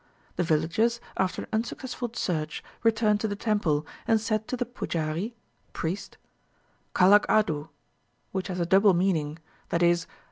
The villagers, after an unsuccessful search, returned to the temple, and said to the pujari (priest) 'Kalak Adu,' which has a double meaning, viz.